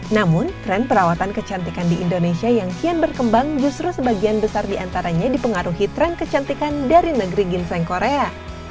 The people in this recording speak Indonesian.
namun tren perawatan kecantikan di indonesia yang kian berkembang justru sebagian besar diantaranya dipengaruhi tren kecantikan dari negeri ginseng korea